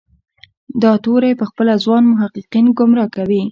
دا توری پخپله ځوان محققین ګمراه کوي.